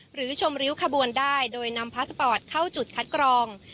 หรือชมริ้วขบวนได้โดยนำพาสปอร์ตเข้าจุดคัดกรอง